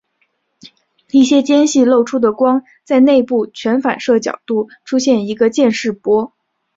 一些间隙漏出的光在内部全反射角度出现一个渐逝波。